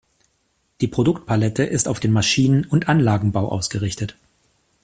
Die Produktpalette ist auf den Maschinen- und Anlagenbau ausgerichtet.